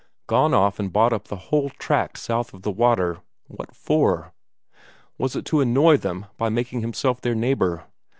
Gone off and bought up the whole tract south of the water what for? Was it to annoy them by making himself their neighbour?